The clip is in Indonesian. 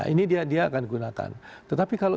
ini dia akan gunakan tetapi kalau